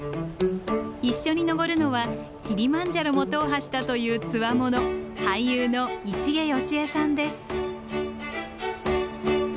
一緒に登るのはキリマンジャロも踏破したという強者俳優の市毛良枝さんです。